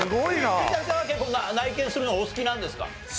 桐谷さんは結構内見するのお好きなんですか？